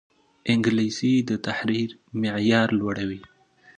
انګلیسي د تحریر معیار لوړوي